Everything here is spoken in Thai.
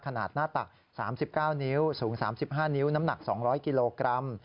ขนาดหน้าตัก๓๙นิ้วสูง๓๕นิ้วน้ำหนัก๒๐๐กิโลกรัม